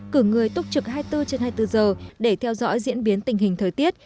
cử người túc trực hai mươi bốn trên hai mươi bốn giờ để theo dõi diễn biến tình hình thời tiết